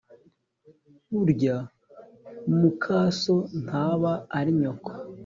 Burya mukaso ntaba ari nyoko.